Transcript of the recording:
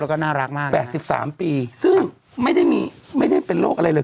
แล้วก็น่ารักมากนี่หรือ๘๓ปีซึ่งไม่ได้เป็นโรคอะไรเลย